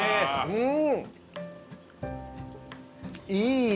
うん！